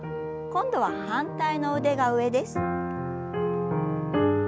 今度は反対の腕が上です。